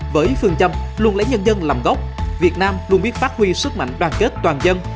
với phương châm luôn lấy nhân dân làm gốc việt nam luôn biết phát huy sức mạnh đoàn kết toàn dân